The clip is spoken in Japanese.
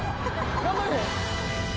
頑張れ！